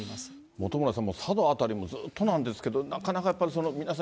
本村さん、もう佐渡辺りもずっとなんですけど、なかなかやっぱり皆さん